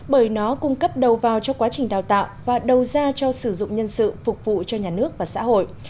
bởi nó cung cấp đầu vào cho quá trình đào tạo và đầu ra cho sử dụng nhân sự phục vụ cho nhà nước và xã hội